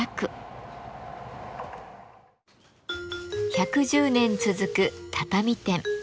１１０年続く畳店。